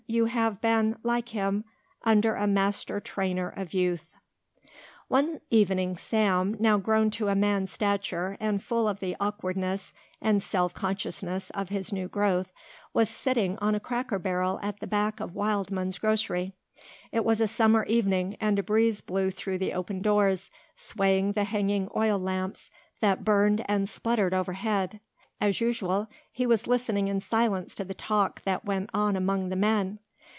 You have been, like him, under a master trainer of youth." One evening Sam, now grown to man's stature and full of the awkwardness and self consciousness of his new growth, was sitting on a cracker barrel at the back of Wildman's grocery. It was a summer evening and a breeze blew through the open doors swaying the hanging oil lamps that burned and sputtered overhead. As usual he was listening in silence to the talk that went on among the men.